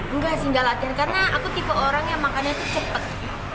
enggak sih enggak latihan karena aku tipe orang yang makannya tuh cepet